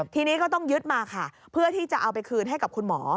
ทีนี้ก็ต้องยึดมาค่ะเพื่อที่จะเอาไปคืนให้กับคุณหมอ